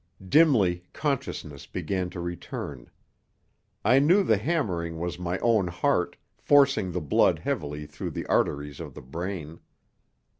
Dimly consciousness began to return. I knew the hammering was my own heart, forcing the blood heavily through the arteries of the brain.